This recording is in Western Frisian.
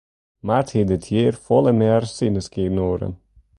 Maart hie dit jier folle mear sinneskynoeren.